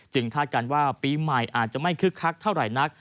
คาดการณ์ว่าปีใหม่อาจจะไม่คึกคักเท่าไหร่นัก